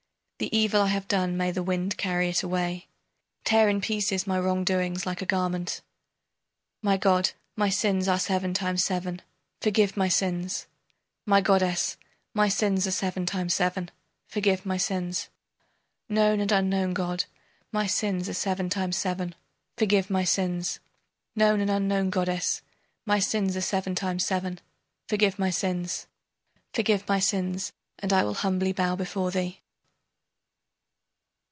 The evil I have done may the wind carry it away! Tear in pieces my wrong doings like a garment! My god, my sins are seven times seven forgive my sins! My goddess, my sins are seven times seven forgive my sins! Known and unknown god, my sins are seven times seven forgive my sins! Known and unknown goddess, my sins are seven times seven forgive my sins! Forgive my sins, and I will humbly bow before thee.